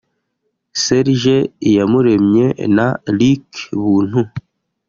Serge Iyamuremye na Luc Buntu